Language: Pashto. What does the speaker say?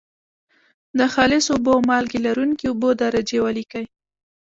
د خالصو اوبو او مالګې لرونکي اوبو درجې ولیکئ.